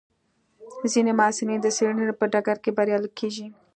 ځینې محصلین د څېړنې په ډګر کې بریالي کېږي.